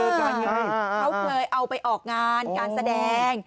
เขาเคยเอาไปออกงานการแสดง